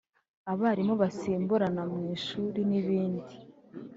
abarimu basimburana mu ishuri n’ibindi